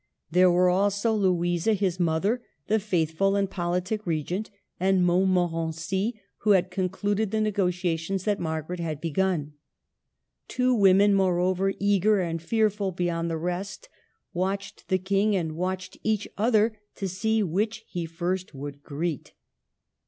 There were also Louisa his mother, the faithful and politic regent, and Montmorency, who had concluded the negotiations that Mar garet had begun. Two women, moreover, eager and fearful beyond the rest, watched the King, and watched each other, to see which he first would greet.